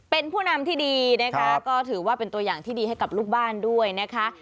เป็นผู้นำที่ดีนะคะก็ถือว่าเป็นตัวอย่างที่ดีให้กับลูกบ้านด้วยนะคะ